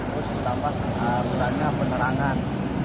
terus terdapat perutannya penerangan